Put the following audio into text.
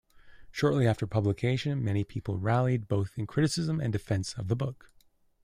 Shortly after publication, many people rallied both in criticism and defense of the book.